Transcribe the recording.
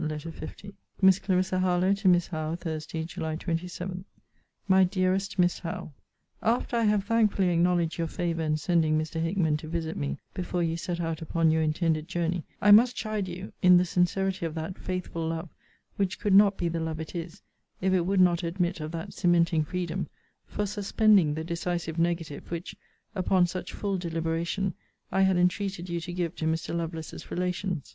LETTER L MISS CLARISSA HARLOWE, TO MISS HOWE THURSDAY, JULY 27. MY DEAREST MISS HOWE, After I have thankfully acknowledged your favour in sending Mr. Hickman to visit me before you set out upon your intended journey, I must chide you (in the sincerity of that faithful love, which could not be the love it is if it would not admit of that cementing freedom) for suspending the decisive negative, which, upon such full deliberation, I had entreated you to give to Mr. Lovelace's relations.